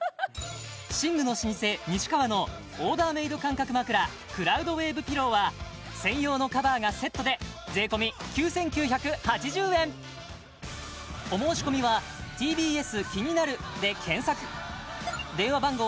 寝具の老舗西川のオーダーメイド感覚枕クラウドウェーブピローは専用のカバーがセットで税込９９８０円小松ワタルですよろしくお願いします